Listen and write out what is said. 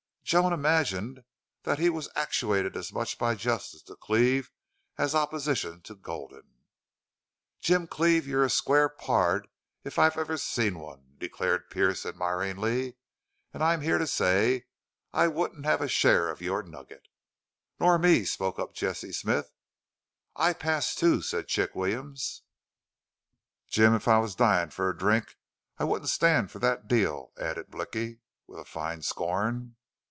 Joan imagined he was actuated as much by justice to Cleve as opposition to Gulden. "Jim Cleve, you're a square pard if I ever seen one," declared Pearce, admiringly. "An' I'm here to say thet I wouldn't hev a share of your nugget." "Nor me," spoke up Jesse Smith. "I pass, too," said Chick Williams. "Jim, if I was dyin' fer a drink I wouldn't stand fer thet deal," added Blicky, with a fine scorn.